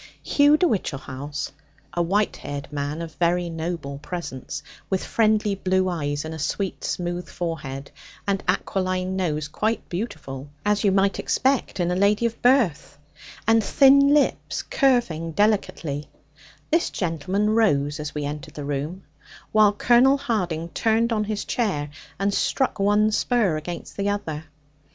Hugh de Whichehalse, a white haired man, of very noble presence, with friendly blue eyes and a sweet smooth forehead, and aquiline nose quite beautiful (as you might expect in a lady of birth), and thin lips curving delicately, this gentleman rose as we entered the room; while Colonel Harding turned on his chair, and struck one spur against the other.